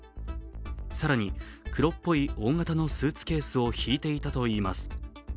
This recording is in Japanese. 更に黒っぽい大型のスーツケースを引いていたといいます。